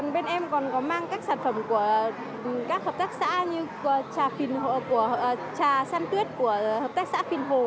bên em còn mang các sản phẩm của các hợp tác xã như trà xanh tuyết của hợp tác xã phìn hồ